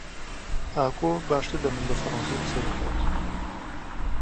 ئاکۆ باشتر لە من بە فەڕەنسی قسە دەکات.